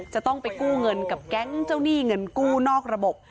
จะต้องไปกู้เงินกับแก๊งเจ้าหนี้เงินกู้นอกระบบ